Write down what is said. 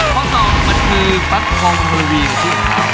ข้อ๒มันคือปั๊กทองธรวี